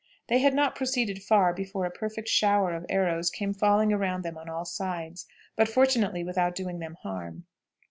They had not proceeded far before a perfect shower of arrows came falling around them on all sides, but, fortunately, without doing them harm.